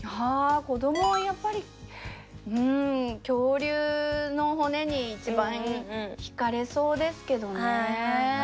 ああ子どもはやっぱりうん恐竜の骨に一番引かれそうですけどね。